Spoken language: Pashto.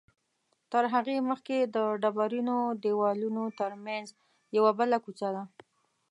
تر هغې مخکې د ډبرینو دیوالونو تر منځ یوه بله کوڅه ده.